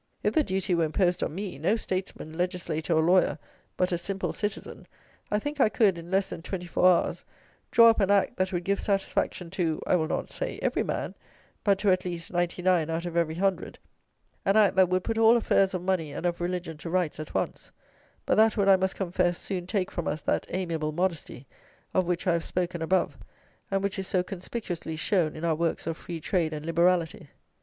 If the duty were imposed on me, no statesman, legislator or lawyer, but a simple citizen, I think I could, in less than twenty four hours, draw up an Act that would give satisfaction to, I will not say every man, but to, at least, ninety nine out of every hundred; an Act that would put all affairs of money and of religion to rights at once; but that would, I must confess, soon take from us that amiable modesty, of which I have spoken above, and which is so conspicuously shown in our works of free trade and liberality.